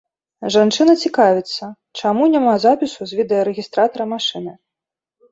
Жанчына цікавіцца, чаму няма запісу з відэарэгістратара машыны.